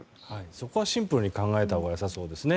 そこはシンプルに考えたほうが良さそうですね。